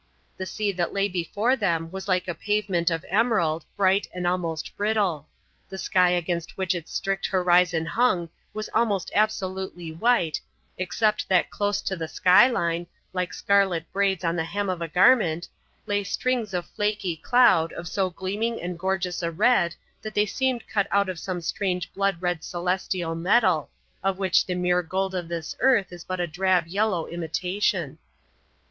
The sea that lay before them was like a pavement of emerald, bright and almost brittle; the sky against which its strict horizon hung was almost absolutely white, except that close to the sky line, like scarlet braids on the hem of a garment, lay strings of flaky cloud of so gleaming and gorgeous a red that they seemed cut out of some strange blood red celestial metal, of which the mere gold of this earth is but a drab yellow imitation.